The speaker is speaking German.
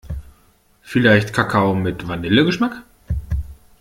Vielleicht Kakao mit Vanillegeschmack?